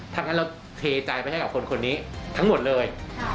ถ้างั้นเราเทใจไปให้กับคนนี้ทั้งหมดเลย